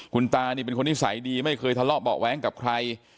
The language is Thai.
คุณตานี่เป็นคนนิสัยดีไม่เคยทะเลาะเบาะแว้งกับใคร